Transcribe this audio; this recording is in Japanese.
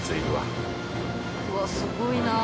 うわっすごいな。